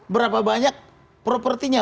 berapa banyak propertinya